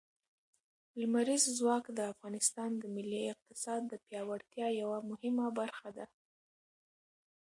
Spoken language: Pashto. لمریز ځواک د افغانستان د ملي اقتصاد د پیاوړتیا یوه مهمه برخه ده.